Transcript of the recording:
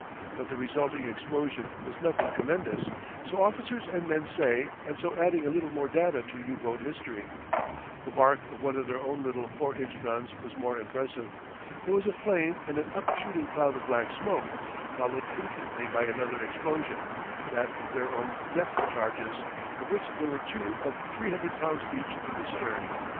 But the resulting explosion was nothing tremendous so officers and men say, and so adding a little more data to U boat history. The bark of one of their own little 4 inch guns was more impressive. There was a flame and an up shooting cloud of black smoke, followed instantly by another explosion, that of their own depth charges, of which there were two of 300 pounds each in the stern.